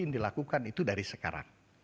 yang dilakukan itu dari sekarang